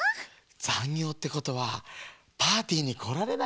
ざんぎょうってことはパーティーにこられないんだ。